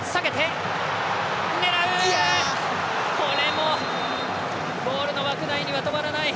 これもゴールの枠内には止まらない。